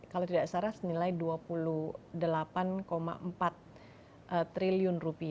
kalau tidak salah nilai rp dua puluh delapan empat triliun